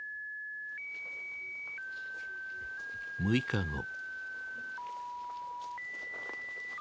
６日後。